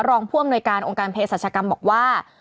รองพ่วงหน่วยการองค์การเพศสัชกรรมบอกว่า